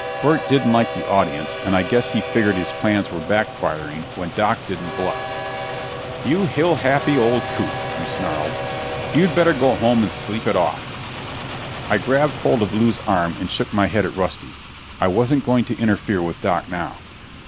Burt didn't like the audience, and I guess he figured his plans were backfiring when Doc didn't bluff. "You hill happy old coot," he snarled. "You'd better go home and sleep it off!" I grabbed hold of Lew's arm and shook my head at Rusty. I wasn't going to interfere with Doc now.